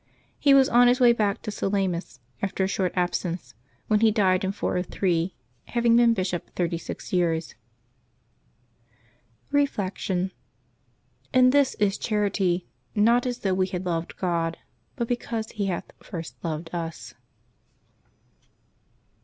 He was on his way back to Salamis, after a short absence, when he died in 403, ha\dng been bishop thirty six years. Reflection. —" In this is charity : not as though we had loved God, but because He hath first loved us."